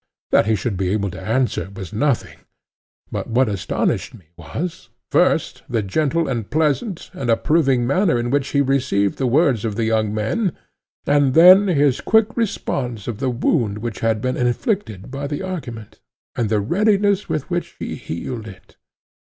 That he should be able to answer was nothing, but what astonished me was, first, the gentle and pleasant and approving manner in which he received the words of the young men, and then his quick sense of the wound which had been inflicted by the argument, and the readiness with which he healed it.